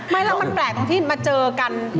ไม่แล้วมันแปลกตรงที่มาเจอกัน